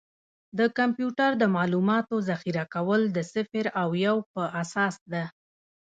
د کمپیوټر د معلوماتو ذخیره کول د صفر او یو په اساس ده.